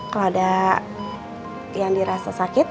kalau ada yang dirasa sakit